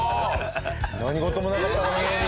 何事もなかったかのように。